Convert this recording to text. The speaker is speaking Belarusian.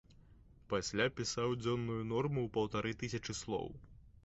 Пасля пісаў дзённую норму ў паўтары тысячы слоў.